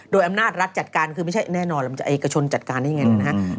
โดยอำนาจรัฐจัดการคือไม่ใช่แน่นอนแล้วมันจะเอกชนจัดการได้ยังไงนะฮะ